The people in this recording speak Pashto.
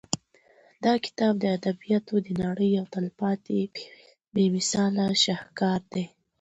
دا کتاب د ادبیاتو د نړۍ یو تلپاتې او بې مثاله شاهکار دی.